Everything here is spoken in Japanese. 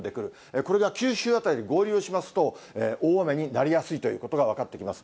これが九州辺りで合流しますと、大雨になりやすいということが分かってきます。